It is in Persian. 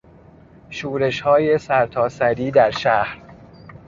شورشهای سرتاسری در شهر